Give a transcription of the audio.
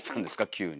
急に。